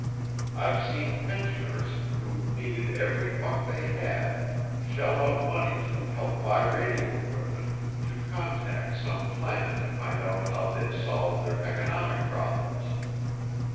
I've seen pensioners, who needed every buck they had, shell out money to "help buy radio equipment" to contact some planet to find out how they'd solved their economic problems.